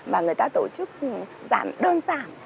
mà người ta tổ chức giản đơn giản